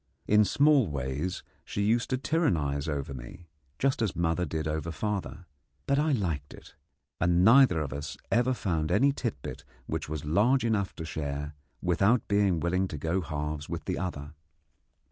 In small ways she used to tyrannize over me, just as mother did over father; but I liked it, and neither of us ever found any tit bit which was large enough to share without being willing to go halves with the other.